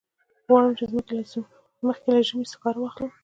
غواړم چې مخکې له ژمي سکاره واخلم.